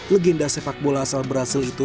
legenda sepak bola asal brazil itu